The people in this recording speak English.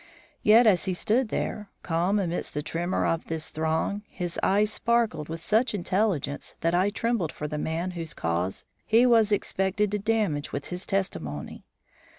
Yet as he stood there, calm amidst the tremor of this throng, his eye sparkled with such intelligence that I trembled for the man whose cause he was expected to damage with his testimony.